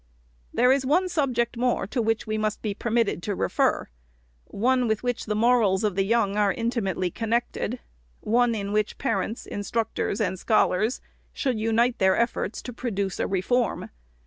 " There is one subject more to which we must be per mitted to refer ; one with which the morals of the young are intimately connected, one in which parents, instruct ors, and scholars should unite their efforts to produce a reform.